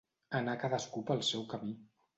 Anar cadascú pel seu camí.